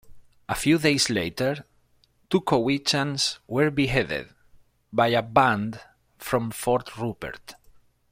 A few days later, two Cowichans were beheaded, by a band from Fort Rupert.